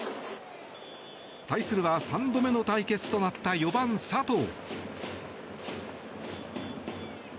対するは３度目の対決となった４番、佐藤。